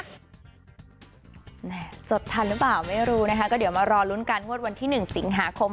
จดทันหรือเปล่าไม่รู้นะคะก็เดี๋ยวมารอลุ้นกันงวดวันที่๑สิงหาคม